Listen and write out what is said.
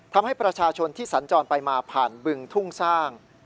ทำให้ประชาชนที่สัญจรไปมาผ่านบึงทุ่งสร้าง